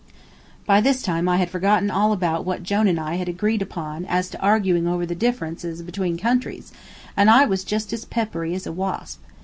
By this time I had forgotten all about what Jone and I had agreed upon as to arguing over the differences between countries, and I was just as peppery as a wasp.